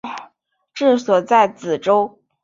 治所在梓州。